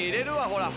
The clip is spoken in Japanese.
ほら。